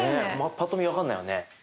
ぱっと見分かんないよね。